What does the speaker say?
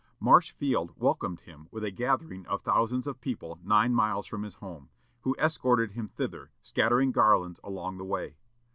Marshfield welcomed him with a gathering of thousands of people nine miles from his home, who escorted him thither, scattering garlands along the way.